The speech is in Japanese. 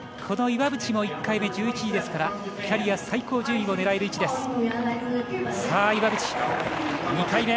この岩渕も１回目、１１位ですからキャリア最高順位を狙える位置です。